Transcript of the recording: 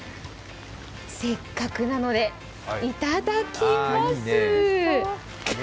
せっかくなので、いただきます！